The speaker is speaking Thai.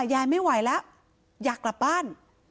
ยายไม่ไหวแล้วอยากกลับบ้าน